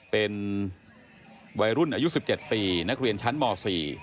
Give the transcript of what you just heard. เป็นวัยรุ่นอายุ๑๗ปีนักเรียนชั้นม๔